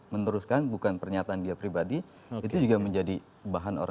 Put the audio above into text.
meneruskan bukan pernyataan dia pribadi itu juga menjadi bahan orang